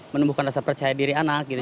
menumbuhkan rasa percaya diri anak gitu